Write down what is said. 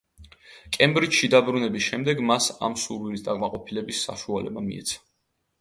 კემბრიჯში დაბრუნების შემდეგ მას ამ სურვილის დაკმაყოფილების შესაძლებლობა მიეცა.